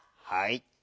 はい。